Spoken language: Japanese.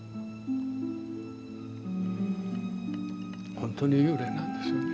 本当に幽霊なんですよね？